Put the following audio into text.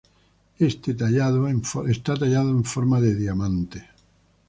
Está tallado en forma de diamante.